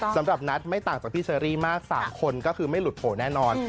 สำหรับนัทไม่ต่างจากพี่เชอรี่มาก๓คนก็คือไม่หลุดโผล่แน่นอน